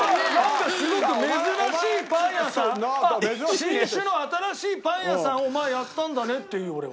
新種の新しいパン屋さんをお前やったんだねっていう俺は。